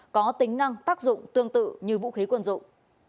có tính năng tác dụng tương tự như vũ khí quân dụng